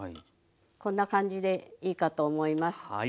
こんな感じでいいかと思います。